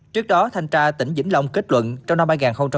trước đó thanh tra tỉnh vĩnh long kết luận trong năm hai nghìn hai mươi một